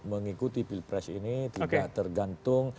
mengikuti pilpres ini tidak tergantung